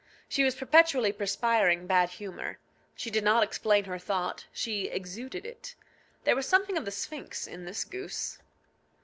She was perpetually perspiring bad humour; she did not explain her thought, she exuded it. There was something of the Sphinx in this goose.